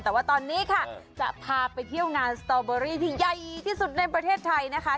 แต่ว่าตอนนี้ค่ะจะพาไปเที่ยวงานสตอเบอรี่ที่ใหญ่ที่สุดในประเทศไทยนะคะ